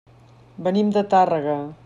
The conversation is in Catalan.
Venim de Tàrrega.